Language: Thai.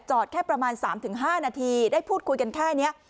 จอดแค่ประมาณสามถึงห้านาทีได้พูดคุยกันแค่เนี่ย